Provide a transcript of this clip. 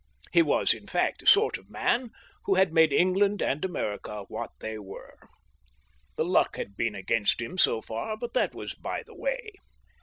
He was, in fact, the sort of man who had made England and America what they were. The luck had been against him so far, but that was by the way.